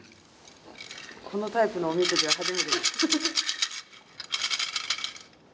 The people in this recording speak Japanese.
このタイプのおみくじは初めてです。